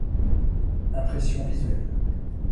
Impressions visuelles.